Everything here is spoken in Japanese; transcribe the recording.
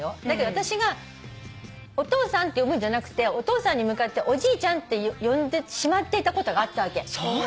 だけど私がお父さんって呼ぶんじゃなくてお父さんに向かっておじいちゃんって呼んでしまっていたことがあったわけ。